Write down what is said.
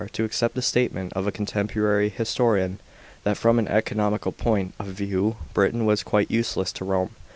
CHAP, xxvi il to accept the statement of a contemporary historian,* that from an economical point, of view Britain was quite useless to Rome.